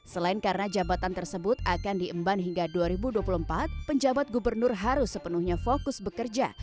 selain karena jabatan tersebut akan diemban hingga dua ribu dua puluh empat penjabat gubernur harus sepenuhnya fokus bekerja